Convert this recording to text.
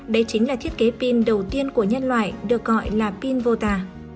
đây chính là thiết kế pin đầu tiên của nhân loại được gọi là pin vôta